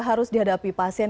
harus dihadapi pasien